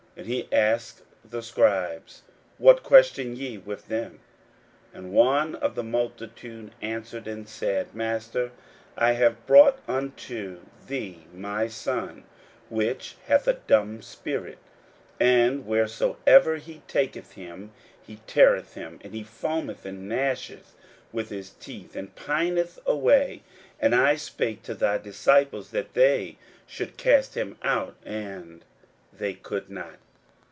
41:009:016 And he asked the scribes, What question ye with them? 41:009:017 And one of the multitude answered and said, Master, I have brought unto thee my son, which hath a dumb spirit; 41:009:018 And wheresoever he taketh him, he teareth him: and he foameth, and gnasheth with his teeth, and pineth away: and I spake to thy disciples that they should cast him out; and they could not.